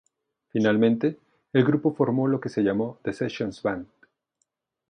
Finalmente, el grupo formó lo que se llamó The Sessions Band.